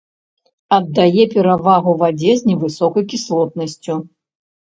Аддае перавагу вадзе з невысокай кіслотнасцю.